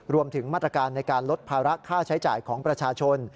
รวมถึงมาตรการในการลดภาระค่าใช้จ่ายของประชาชน